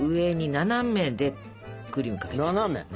斜め？